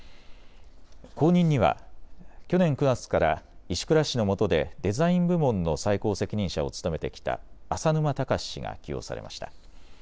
後任には去年９月から石倉氏のもとでデザイン部門の最高責任者を務めてきた浅沼尚氏が起用されました。